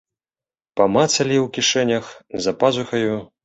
Памацалі ў кішэнях, за пазухаю.